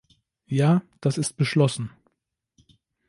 Ja, das ist beschlossen.